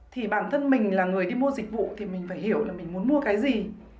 tại vì là nó tốn kém với chị